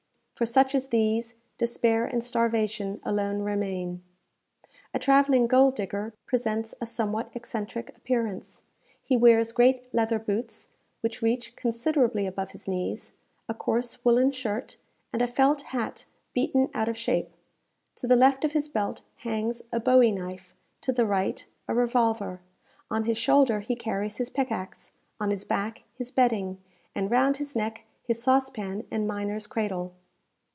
For such as these, despair and starvation alone remain. A travelling gold digger presents a somewhat eccentric appearance. He wears great leather boots, which reach considerably above his knees, a coarse woollen shirt, and a felt hat beaten out of shape. To the left of his belt hangs a bowie knife, to the right a revolver. On his shoulder he carries his pickaxe, on his back his bedding, and round his neck his saucepan and miner's cradle.